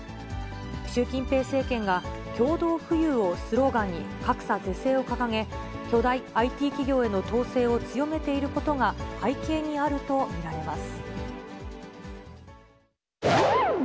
習近平政権が共同富裕をスローガンに格差是正を掲げ、巨大ＩＴ企業への統制を強めていることが背景にあると見られます。